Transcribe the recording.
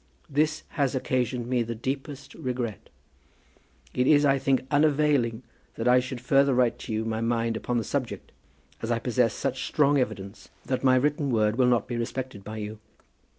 This has occasioned me the deepest regret. It is, I think, unavailing that I should further write to you my mind upon the subject, as I possess such strong evidence that my written word will not be respected by you.